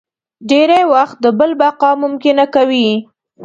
ډېری وخت د بل بقا ممکنه کوي.